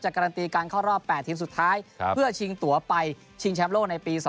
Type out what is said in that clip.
การันตีการเข้ารอบ๘ทีมสุดท้ายเพื่อชิงตัวไปชิงแชมป์โลกในปี๒๕